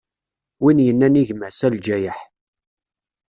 Win yennan i gma-s: A lǧayeḥ!